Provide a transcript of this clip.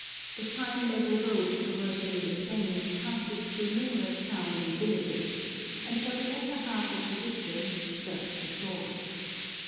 The fine level road traversing the plain passes through numerous towns and villages, and for the latter half of the distance skirts the shore.